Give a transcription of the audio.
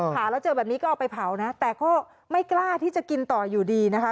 หาแล้วเจอแบบนี้ก็เอาไปเผานะแต่ก็ไม่กล้าที่จะกินต่ออยู่ดีนะคะ